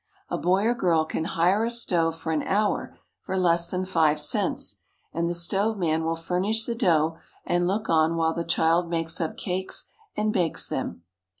A boy or girl can hire a stove, for an hour, for less than five cents, and the stove man will furnish the dough and look on while the child makes up cakes and bakes them.